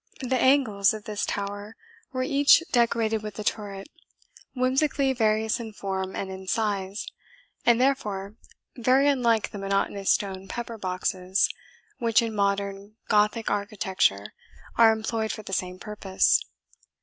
The angles of this tower were each decorated with a turret, whimsically various in form and in size, and, therefore, very unlike the monotonous stone pepperboxes which, in modern Gothic architecture, are employed for the same purpose.